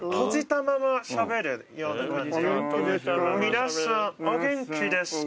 「皆さんお元気ですか？」